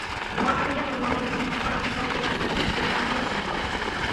مۇۋەپپەقىيەت قازىنالايدىغانلىقىڭىزغا، جاسارەتلىك، پاراسەتلىك ئىكەنلىكىڭىزگە ئىشىنىدۇ.